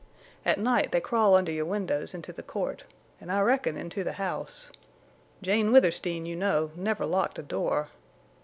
At night they crawl under your windows into the court, an' I reckon into the house. Jane Withersteen, you know, never locked a door!